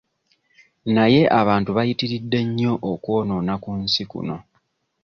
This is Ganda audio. Naye abantu bayitiridde nnyo okwonoona ku nsi kuno.